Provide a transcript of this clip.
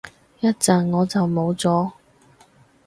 一陣我就冇咗